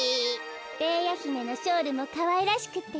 ベーヤひめのショールもかわいらしくってよ。